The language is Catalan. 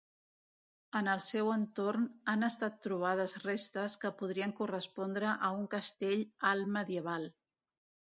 En el seu entorn han estat trobades restes que podrien correspondre a un castell altmedieval.